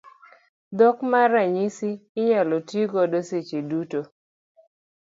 Dhok mar ranyisi inyalo ti godo seche duto.